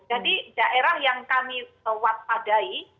jadi daerah yang kami padai